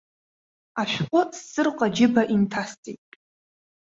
Ашәҟәы сҵырҟа џьыба инҭасҵеит.